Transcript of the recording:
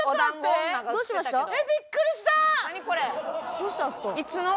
どうしたんですか？